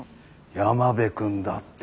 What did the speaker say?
山辺君だって。